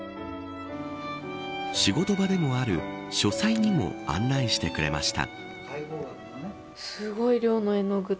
仕事場でもある書斎にも案内してくれました。